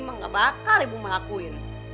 emang gak bakal ibu ngelakuin